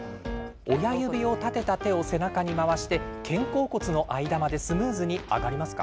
親指を立てた手を背中に回して肩甲骨の間までスムーズに上がりますか？